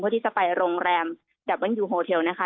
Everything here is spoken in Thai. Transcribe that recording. เพื่อที่จะไปโรงแรม่ะเมิ้นยูโฮเทลนะคะ